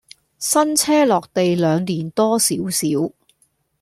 新車落地兩年多少少